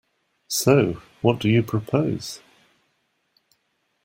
So, what do you propose?